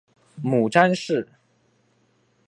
母詹氏。